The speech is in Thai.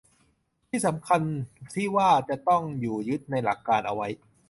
สำคัญที่ว่าจะต้องอยู่ยึดในหลักการเอาไว้